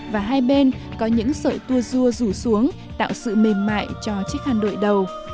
và hai bên có những sợi tua rua rủ xuống tạo sự mềm mại cho chiếc khăn đội đầu